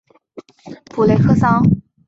普雷克桑。